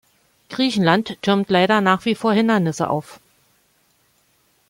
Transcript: Griechenland türmt leider nach wie vor Hindernisse auf.